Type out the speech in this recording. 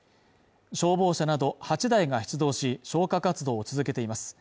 消防車など８台が出動し消火活動を続けています